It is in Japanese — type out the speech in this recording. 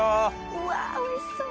うわおいしそう。